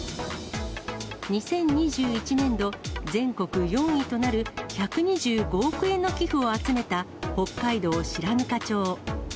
２０２１年度、全国４位となる１２５億円の寄付を集めた北海道白糠町。